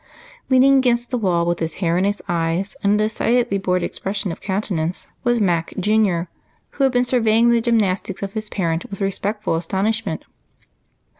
Leaning against the wall with his hair in his eyes, and a decidedly bored expression of countenance, was Mac, Jr., who had been surveying the gymnastics of his parent with respectful astonishment.